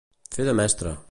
Fer de mestre.